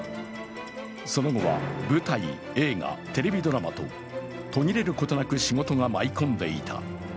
その後は、舞台、映画、テレビドラマと途切れることなく仕事が舞い込んでいた。